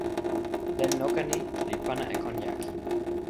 len noka ni li pana e kon jaki.